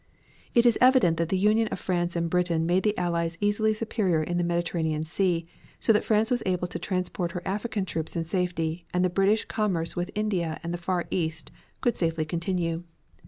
It is evident that the union of France and Britain made the Allies easily superior in the Mediterranean Sea, so that France was able to transport her African troops in safety, and the British commerce with India and the East could safely continue.